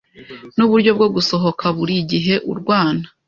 Nuburyo bwo gusohoka burigihe urwana